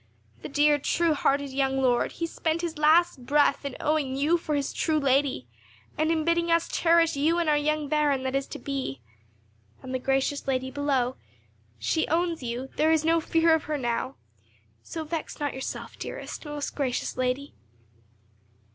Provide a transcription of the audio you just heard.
The dear, true hearted young lord, he spent his last breath in owning you for his true lady, and in bidding us cherish you and our young baron that is to be. And the gracious lady below—she owns you; there is no fear of her now; so vex not yourself, dearest, most gracious lady."